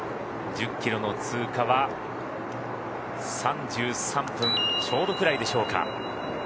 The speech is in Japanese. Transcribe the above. １０キロの通過は３３分ちょうどくらいでしょうか。